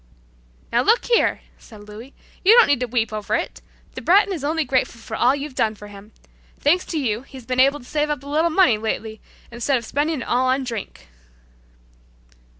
"Now, look here," said Louis, "you don't need to weep over it! The Breton is only grateful for all you've done for him. Thanks to you, he's been able to save up a little money lately instead of spending it all on drink.